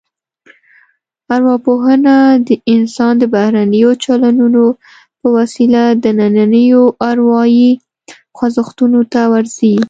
ارواپوهنه د انسان د بهرنیو چلنونو په وسیله دنننیو اروايي خوځښتونو ته ورځي